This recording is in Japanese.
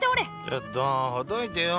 ちょっとほどいてよ。